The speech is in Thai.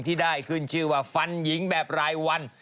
ที่ได้ขึ้นชื่อว่าฟันหญิงแบบรายวัน